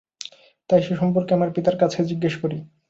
তাই সে সম্পর্কে আমার পিতার কাছে জিজ্ঞেস করি।